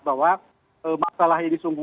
bahwa masalah ini sungguh